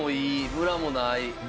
ムラない！